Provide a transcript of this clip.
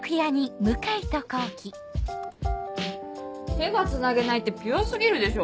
手がつなげないってピュア過ぎるでしょ！